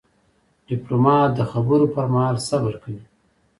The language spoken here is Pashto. ډيپلومات د خبرو پر مهال صبر کوي.